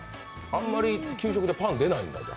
あまり給食でパン出ないんだ？